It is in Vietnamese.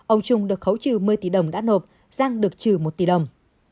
ông trung được khấu trừ một mươi tỷ đồng đắt hộp giang được trừ một tỷ đồng